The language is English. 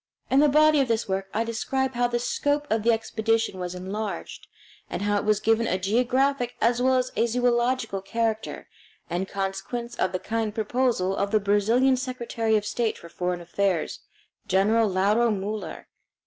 In the body of this work I describe how the scope of the expedition was enlarged, and how it was given a geographic as well as a zoological character, in consequence of the kind proposal of the Brazilian Secretary of State for Foreign Affairs, General Lauro Muller.